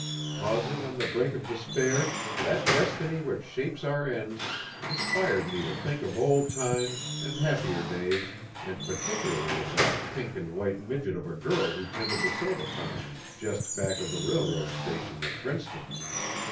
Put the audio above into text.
Pausing on the brink of despair, that destiny which shapes our ends inspired me to think of old times and happier days and particularly of that pink and white midget of a girl who tended the soda fountain just back of the railroad station at Princeton.